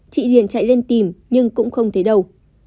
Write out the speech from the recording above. chị hiền chạy lên tìm nhưng cũng không thấy đâu